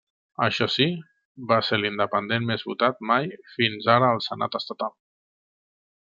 Això sí, va ser l'independent més votat mai fins ara al Senat estatal.